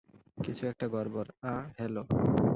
কিছু একটা গড়বড় আ-- হ্যালো?